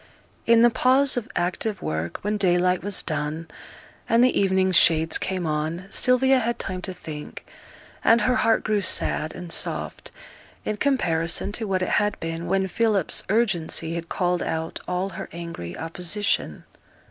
In the pause of active work, when daylight was done, and the evening shades came on, Sylvia had time to think; and her heart grew sad and soft, in comparison to what it had been when Philip's urgency had called out all her angry opposition.